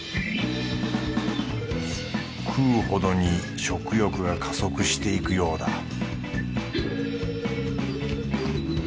食うほどに食欲が加速していくようだ